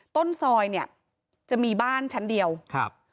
ต้นซอยเนี่ยจะมีบ้านชั้นเดียวครับ